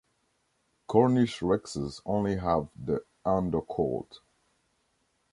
Cornish Rexes only have the undercoat.